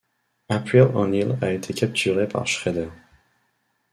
April O'Neil a été capturée par Shredder.